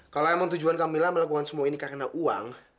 kalau emang tujuan kamilah melakukan semua ini karena uang